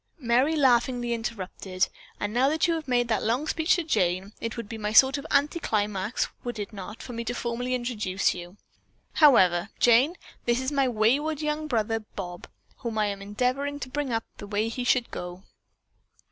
Merry laughingly interrupted: "And now that you have made that long speech to Jane, it would be sort of an anti climax, would it not, for me to formally introduce you? However, Jane, this is my wayward young brother Bob, whom I am endeavoring to bring up the way that he should go."